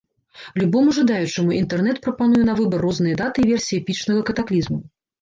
Любому жадаючаму інтэрнэт прапануе на выбар розныя даты і версіі эпічнага катаклізму.